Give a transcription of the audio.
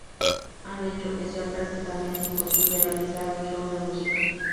Han hecho que sea prácticamente imposible realizar un show de música.